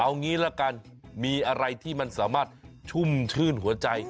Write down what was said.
เอางี้ละกันมีอะไรที่มันสามารถชุ่มชื่นหัวใจ